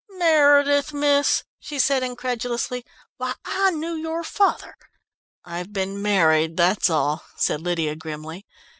"Meredith, miss?" she said incredulously. "Why I knew your father " "I've been married, that's all," said Lydia grimly.